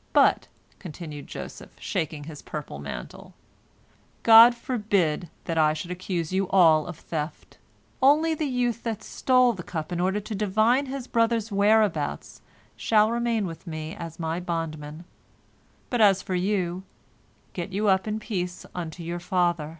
' But," continued Joseph, shaking his purple mantle, "God forbid that I should accuse you all of theft. Only the youth that stole the cup in order to divine his brother's whereabouts shall remain with me as my bondman; but as for you, get you up in peace unto your father."